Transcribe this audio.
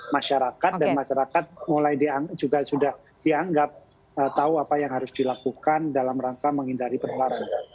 masyarakat dan masyarakat juga sudah dianggap tahu apa yang harus dilakukan dalam rangka menghindari penularan